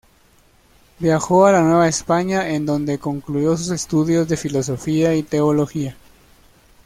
Viajó a la Nueva España en donde concluyó sus estudios de filosofía y teología.